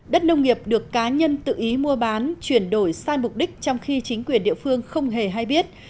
đất nông nghiệp được cá nhân tự ý mua bán chuyển đổi sang mục đích trong khi chính quyền địa phương không hề hay biết